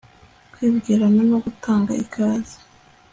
kwibwirana no gutanga ikaze